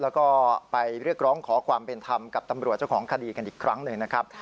แล้วก็ไปเรียกร้องขอความเป็นธรรมกับตำรวจเจ้าของคดีกันอีกครั้งหนึ่งนะครับ